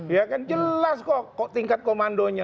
ya kan jelas kok tingkat komandonya